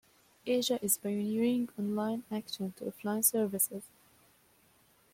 Asia is pioneering online action to offline services.